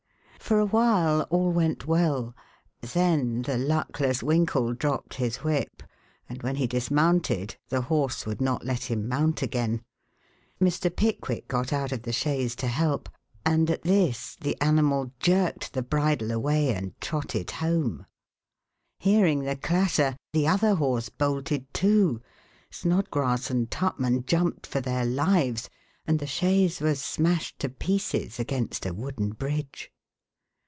For a while all went well; then the luckless Winkle dropped his whip and when he dismounted the horse would not let him mount again. Mr. Pickwick got out of the chaise to help, and at this the animal jerked the bridle away and trotted home. Hearing the clatter the other horse bolted, too. Snodgrass and Tupman jumped for their lives and the chaise was smashed to pieces against a wooden bridge.